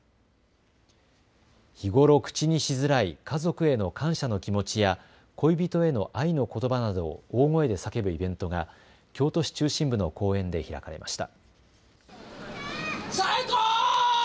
日頃、口にしづらい家族への感謝の気持ちや恋人への愛のことばなどを大声で叫ぶイベントが京都市中心部の公園で開かれました。